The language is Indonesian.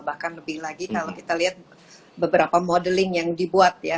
bahkan lebih lagi kalau kita lihat beberapa modeling yang dibuat ya